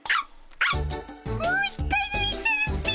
もう一回見せるっピ。